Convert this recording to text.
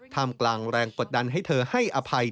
มกลางแรงกดดันให้เธอให้อภัย